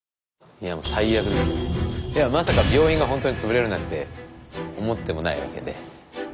いやまさか病院がほんとに潰れるなんて思ってもないわけで。